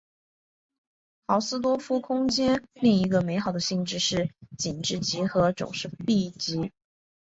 豪斯多夫空间另一个美好的性质是紧致集合总是闭集。